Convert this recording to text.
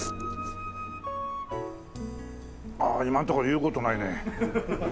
ああ今のところ言う事ないね。